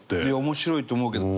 面白いと思うけど。